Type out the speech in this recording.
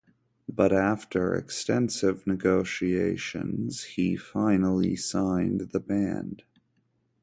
But after extensive negotiations, he finally signed the band.